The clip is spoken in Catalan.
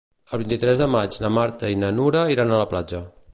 El vint-i-tres de maig na Marta i na Nura iran a la platja.